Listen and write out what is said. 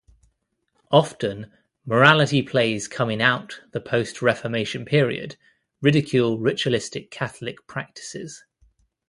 Often, morality plays coming out the post-Reformation period, ridicule ritualistic Catholic practices.